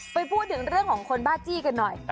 ไปพูดถึงเรื่องของคนบ้าจี้กันหน่อย